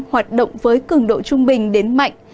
hoạt động với cường độ trung bình đến mạnh